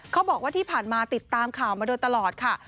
เขาบอกว่าที่ผ่านมาติดตามข่าวมาโดยตลอดค่ะ